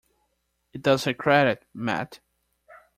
It does her credit, Mat!